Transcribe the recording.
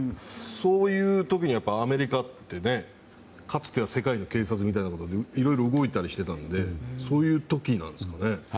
そういう時にアメリカってかつては世界の警察みたいなことでいろいろ動いたりしてたのでそういう時なんですかね。